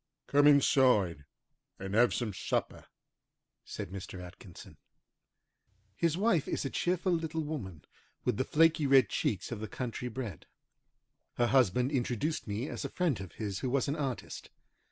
"Come inside and have some supper," said Mr. Atkinson. His wife is a cheerful little woman, with the flaky red cheeks of the country bred. Her husband introduced me as a friend of his who was an artist.